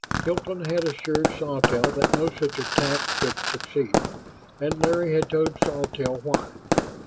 Hilton had assured Sawtelle that no such attack could succeed, and Larry had told Sawtelle why.